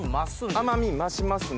甘み増しますね。